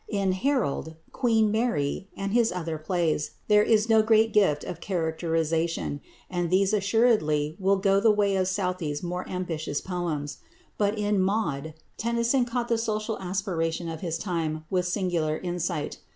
In "Harold," "Queen Mary," and his other plays there is no great gift of characterisation, and these assuredly will go the way of Southey's more ambitious poems. But in "Maud" Tennyson caught the social aspiration of his time with singular insight.